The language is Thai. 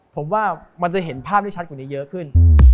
ผมว่ามันจะเห็นภาพได้ชัดกว่านี้เยอะขึ้น